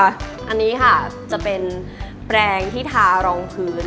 อันนี้ค่ะจะเป็นแปลงที่ทารองพื้น